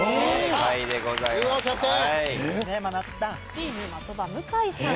チーム的場向井さん。